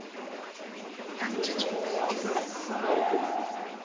「慣れてる」